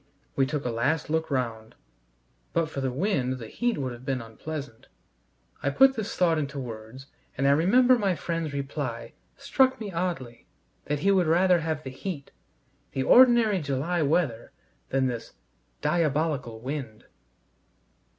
We took a last look round. But for the wind the heat would have been unpleasant. I put this thought into words, and I remember my friend's reply struck me oddly: that he would rather have the heat, the ordinary July weather, than this "diabolical wind."